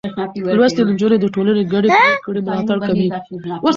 لوستې نجونې د ټولنې ګډې پرېکړې ملاتړ کوي.